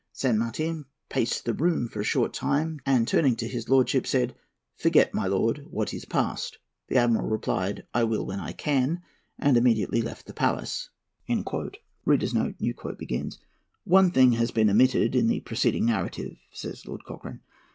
San Martin paced the room for a short time, and, turning to his lordship, said, 'Forget, my lord, what is past.' The Admiral replied, 'I will when I can,' and immediately left the palace.[A] "One thing has been omitted in the preceding narrative," said Lord Cochrane.